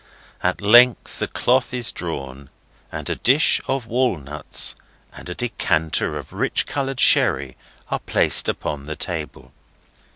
At length the cloth is drawn, and a dish of walnuts and a decanter of rich coloured sherry are placed upon the table.